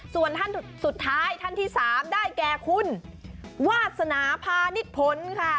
ส่วนท่านสุดท้ายท่านที่๓ได้แก่คุณวาสนาพาณิชพลค่ะ